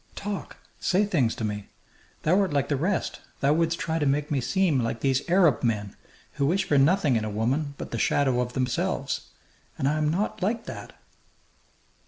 Talk! Say things to me! Thou art like the rest; thou wouldst try to make me seem like these Arab men, who wish for nothing in a woman but the shadow of themselves. And I am not like that!"